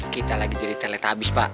kita lagi jadi telet abis pak